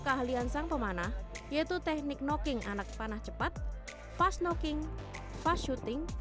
keahlian sang pemanah yaitu teknik knocking anak panah cepat fast knocking fast syuting